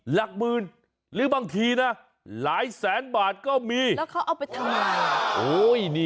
หรือบางทีนะหลายแสนบาทก็มี